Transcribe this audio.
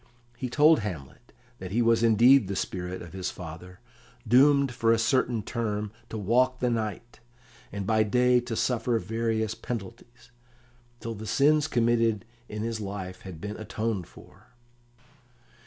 He told Hamlet that he was indeed the spirit of his father, doomed for a certain term to walk the night, and by day to suffer various penalties, till the sins committed in his life had been atoned for.